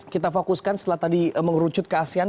kita fokuskan setelah tadi mengerucut ke asean